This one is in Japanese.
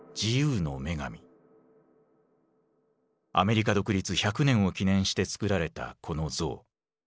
アメリカ独立１００年を記念して造られたこの像。